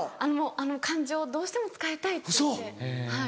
あの漢字をどうしても使いたいっていってはい。